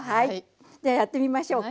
じゃあやってみましょうか。